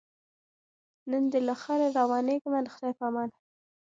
نن دي له ښاره روانېږمه د خدای په امان